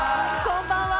こんばんは。